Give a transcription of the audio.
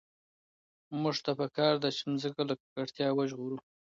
موږ ته په کار ده چي مځکه له ککړتیا وژغورو.